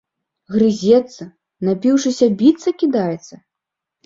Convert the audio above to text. Грызецца, напіўшыся, біцца кідаецца.